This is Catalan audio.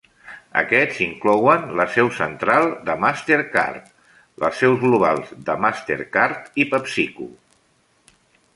Aquests inclouen la seu central de MasterCard, les seus globals de MasterCard i PepsiCo.